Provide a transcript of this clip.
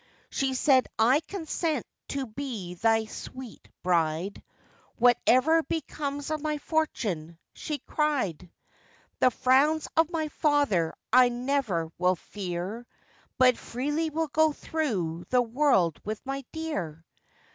She said, 'I consent to be thy sweet bride, Whatever becomes of my fortune,' she cried. 'The frowns of my father I never will fear, But freely will go through the world with my dear.